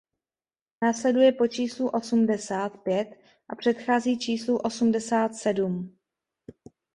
Následuje po číslu osmdesát pět a předchází číslu osmdesát sedm.